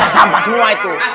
sampah semua itu